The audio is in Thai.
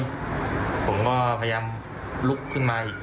ผมก็พยายามลุกขึ้นมาอีก